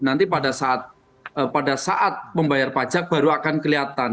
nanti pada saat membayar pajak baru akan kelihatan